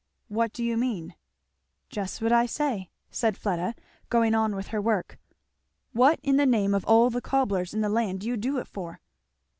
"What do you mean?" "Just what I say," said Fleda, going on with her work. "What in the name of all the cobblers in the land do you do it for?"